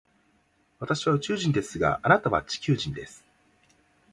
私は宇宙人ですが、あなたは地球人です。